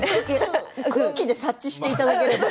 空気で察知していただければ。